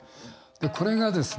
これがですね